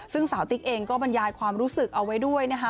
ซึ่งสาวติ๊กเองก็บรรยายความรู้สึกเอาไว้ด้วยนะคะ